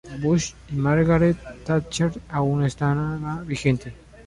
Bush y Margaret Thatcher aún estaba vigente.